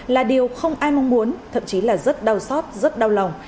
là điều không ai mong muốn thậm chí là rất đau xót rất đau lòng